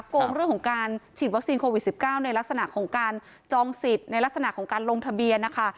โกงเรื่องของการฉีดวัคซีนโควิด๑๙ในลักษณะของการจองสิทธิ์ในลักษณะของการลงทะเบียนนะคะ